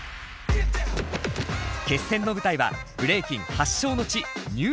決戦の舞台はブレイキン発祥の地